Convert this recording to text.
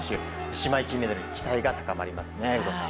姉妹金メダルに期待が高まりますね、有働さん。